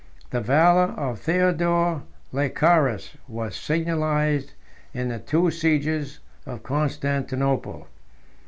20 The valor of Theodore Lascaris was signalized in the two sieges of Constantinople.